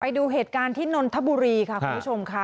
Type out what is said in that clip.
ไปดูเหตุการณ์ที่นนทบุรีค่ะคุณผู้ชมค่ะ